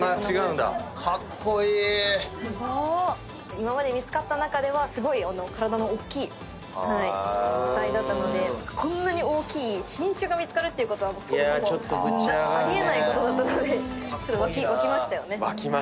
今まで見つかった中では体のおっきい個体だったのでこんなに大きい新種が見つかるっていうことはそもそもあり得ないことだったのでちょっと沸きましたよね。